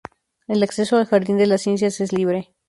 El acceso al jardín de las ciencias es libre.